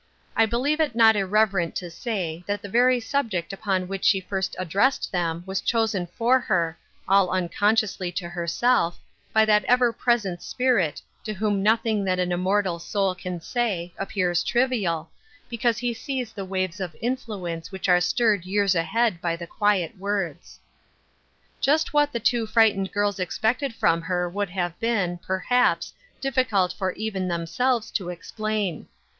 I believe it not irreverent to say that the very subject upon which she first addressed them was chosen for her, all unconsciously to her self, by that Ever present Spirit, to whom noth ing that an immortal soul can say, appears trivial, because he sees the waves of influence which are stirred years ahead by the quiet words. Just what the two frightened girls expected from her would have been, perhaps, difficult for even themselves to explain.